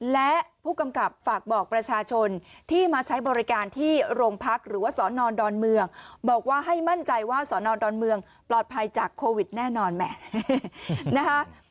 และผู้กำกับฝากบอกประชาชนที่มาใช้บริการที่โรงพักหรือว่าสอนอนดอนเมืองบอกว่าให้มั่นใจว่าสอนอดอนเมืองปลอดภัยจากโควิดแน่นอนแหมนะคะ